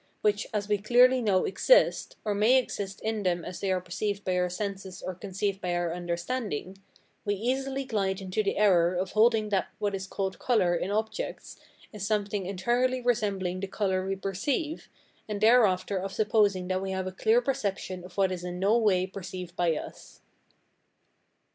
which, as we clearly know, exist, or may exist in them as they are perceived by our senses or conceived by our understanding, we easily glide into the error of holding that what is called colour in objects is something entirely resembling the colour we perceive, and thereafter of supposing that we have a clear perception of what is in no way perceived by us.